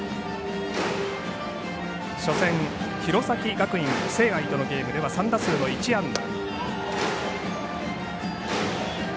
初戦、弘前学院聖愛とのゲームでは３打数の１安打。